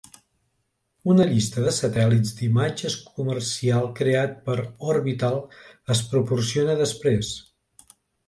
Una llista de satèl·lits d'imatges comercial creat per Orbital es proporciona després.